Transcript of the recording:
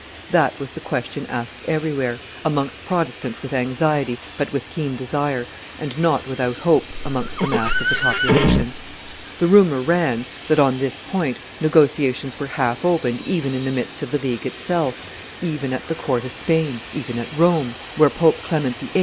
That was the question asked everywhere, amongst Protestants with anxiety, but with keen desire, and not without hope, amongst the mass of the population. The rumor ran that, on this point, negotiations were half opened even in the midst of the League itself, even at the court of Spain, even at Rome, where Pope Clement VIII.